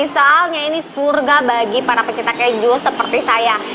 soalnya ini surga bagi para pecinta keju seperti saya